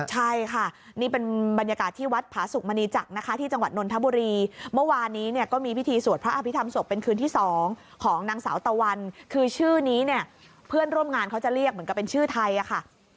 ใช่ค่ะนี่เป็นบรรยากาศที่วัดผาสุกมณีจักรนะคะที่จังหวัดนนทบุรีเมื่อวานนี้เนี่ยก็มีพิธีสวดพระอภิษฐรรศพเป็นคืนที่๒ของนางสาวตะวันคือชื่อนี้เนี่ยเพื่อนร่วมงานเขาจะเรียกเหมือนกับเป็นชื่อไทยอะค่ะ